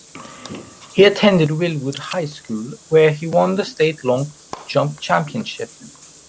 He attended Wildwood High School, where he won the state long jump championship.